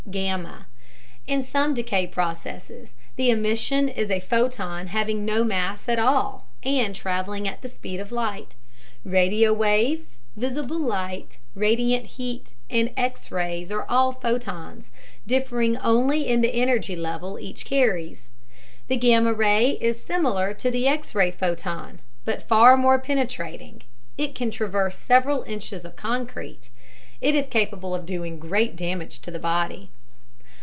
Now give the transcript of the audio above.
Gamma In some decay processes, the emission is a photon having no mass at all and traveling at the speed of light. Radio waves, visible light, radiant heat, and X rays are all photons, differing only in the energy level each carries. The gamma ray is similar to the X ray photon, but far more penetrating (it can traverse several inches of concrete). It is capable of doing great damage in the body.